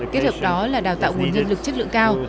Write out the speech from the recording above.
kết hợp đó là đào tạo nguồn nhân lực chất lượng cao